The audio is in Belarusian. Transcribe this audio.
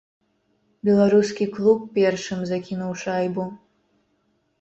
Беларускі клуб першым закінуў шайбу.